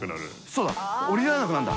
そうだ降りられなくなるんだ。